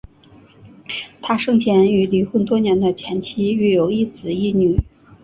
他生前与离婚多年的前妻育有一子一女。